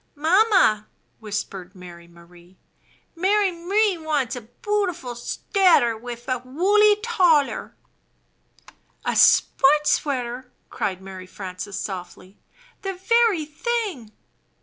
"Mamma/' whispered Mary Marie, "^lary M'rie wants a boo'ful steater wif a wooly tollar." "A sports sweater!" cried Mary Frances, softly. "The very thing!"